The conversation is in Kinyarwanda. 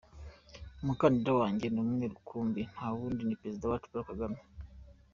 Umukandida wanjye ni umwe rukumbi, ntawundi, ni Perezida wacu Paul Kagame.